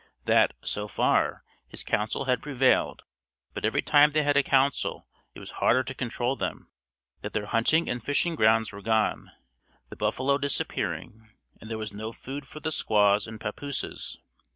That, so far, his counsel had prevailed, but every time they had a council it was harder to control them. That their hunting and fishing grounds were gone, the buffalo disappearing and there was no food for the squaws and papooses.